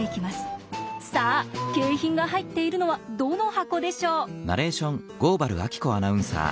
さあ景品が入っているのはどの箱でしょう？